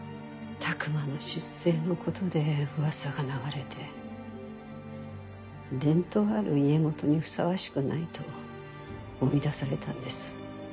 琢磨の出生のことで噂が流れて伝統ある家元にふさわしくないと追い出されたんです。